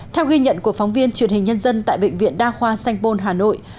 theo ghi nhận của phóng viên truyền hình nhân dân tại bệnh viện đa khoa sanh pôn hà nội